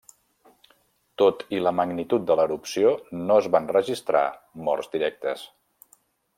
Tot i la magnitud de l'erupció no es van registrar morts directes.